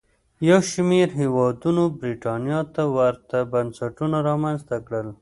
یو شمېر هېوادونو برېټانیا ته ورته بنسټونه رامنځته کړل.